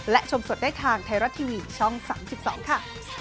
และชมสดได้ทางไทยรัฐทีวีช่อง๓๒ค่ะ